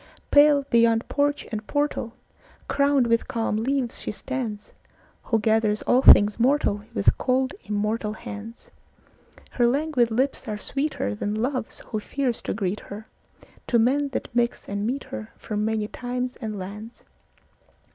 Pale, beyond porch and portal, Crowned with calm leaves, she standsWho gathers all things mortalWith cold immortal hands; Her languid lips are sweeterThan love's who fears to greet herTo men that mix and meet herFrom many times and lands.